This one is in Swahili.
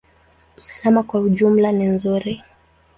Usalama kwa ujumla ni nzuri.